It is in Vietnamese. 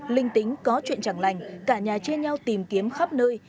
linh tính có chuyện chẳng lành cả nhà chia nhau tìm kiếm khắp nơi